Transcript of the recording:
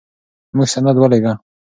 موږ سند ولېږه.